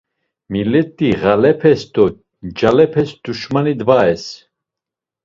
Millet̆i ğalepes do ncalepes duşmani daves.